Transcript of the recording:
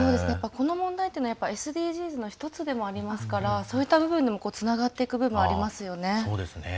この問題というのはＳＤＧｓの１つでもありますからそういった部分でもつながっていく部分ありますよね。